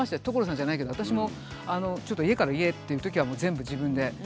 所さんじゃないけど私もちょっと家から家っていうときはもう全部自分で。